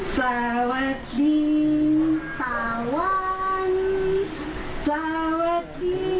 สวัสดีสวัสดีละที